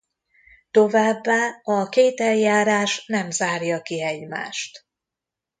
Továbbá a két eljárás nem zárja ki egymást.